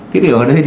thế thì ở đây